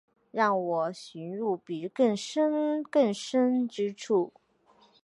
让我遁入比更深更深之处